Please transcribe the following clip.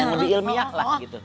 yang lebih ilmiah lah gitu